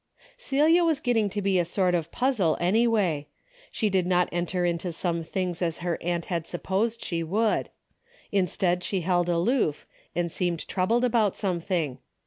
Celia was getting to be a sort of a puzzle A DAILY RATE.'' 211 anyway. She did not enter into some things as her aunt had supposed she Avould. Instead she held aloof, and seemed troubled about something.